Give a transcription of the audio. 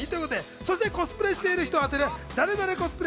そして、コスプレしている人を当てるダレダレ？